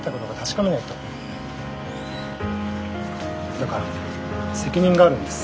だから責任があるんです。